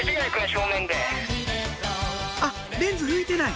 あっレンズ拭いてない！